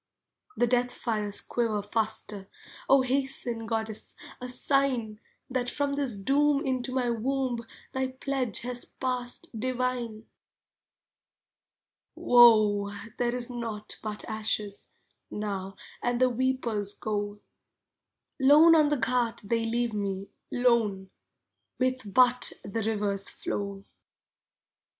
The death fires quiver faster, O hasten, goddess, a sign, That from this doom into my womb Thy pledge has passed, divine. Woe! there is naught but ashes, Now, and the weepers go. Lone on the ghat they leave me, lone, With but the River's flow.